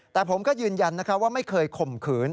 แต่ผมก็ยืนยันว่าไม่เคยข่มขืน